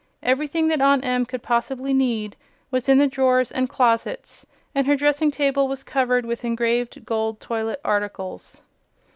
Everything that Aunt Em could possibly need was in the drawers and closets, and her dressing table was covered with engraved gold toilet articles.